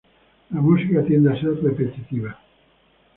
La música tiende a ser repetitiva.